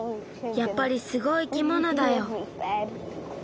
やっぱりすごい生き物だよ。